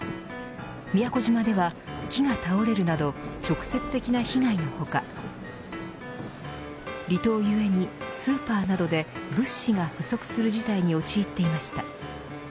宮古島では、木が倒れるなど直接的な被害の他離島ゆえにスーパーなどで物資が不足する事態に陥っていました。